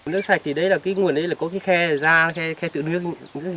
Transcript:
nước sạch thì nguồn ấy có cái khe ra khe tự nước